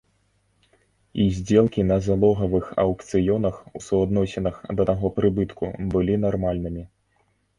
І здзелкі на залогавых аўкцыёнах у суадносінах да таго прыбытку былі нармальнымі.